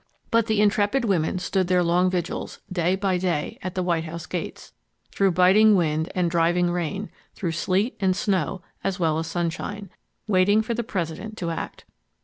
But the intrepid women stood their long vigils, day by day, at the White House gates, through biting wind and driving rain, through sleet and snow as well as sunshine, waiting for the President to act.